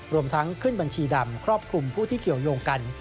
รวมทั้งขึ้นบัญชีดำครอบคลุมผู้ที่เกี่ยวยงกัน